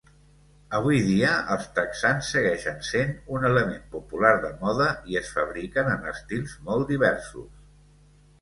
Avui dia, els texans segueixen sent un element popular de moda i es fabriquen en estils molt diversos.